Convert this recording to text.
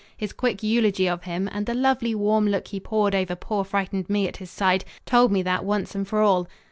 His quick eulogy of him, and the lovely warm look he poured over poor frightened me at his side, told me that once and for all.